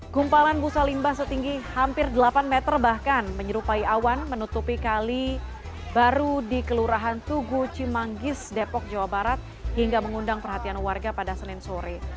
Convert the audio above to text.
kumpalan busa limbah setinggi hampir delapan meter bahkan menyerupai awan menutupi kali baru di kelurahan tugu cimanggis depok jawa barat hingga mengundang perhatian warga pada senin sore